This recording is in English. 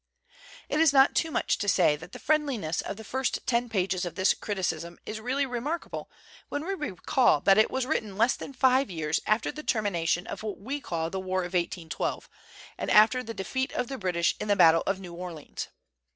It is not too much to say that the friendliness of the first ten pages of this criticism is really remarkable when we recall that it was written less than five years after the termination of what we call the " War of 1812 " and after the defeat of the British in the battle of New Orleans.